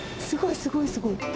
すごい、すごい、すごい。